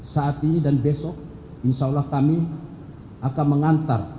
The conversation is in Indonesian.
saat ini dan besok insya allah kami akan mengantar